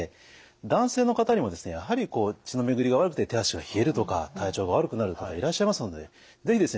男性の方にもですねやはりこう血の巡りが悪くて手足が冷えるとか体調が悪くなる方いらっしゃいますので是非ですね